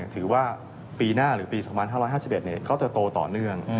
ถือว่าปีหน้าหรือปี๒๕๕๑เขาจะโตต่อเนื่อง